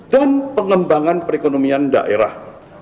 dan pengembangan perekonomian daerah